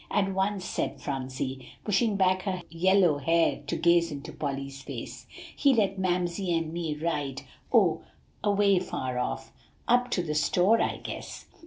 "And once," said Phronsie, pushing back her yellow hair to gaze into Polly's face, "he let Mamsie and me ride oh away far off up to the store, I guess."